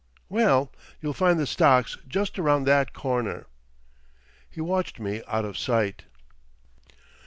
'.... Well, you'll find the stocks just round that corner." He watched me out of sight.